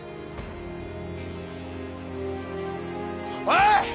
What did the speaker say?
おい！